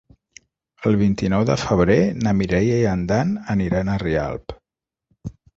El vint-i-nou de febrer na Mireia i en Dan aniran a Rialp.